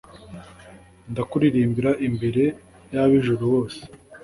ndakuririmbira imbere y'ab'ijuru bose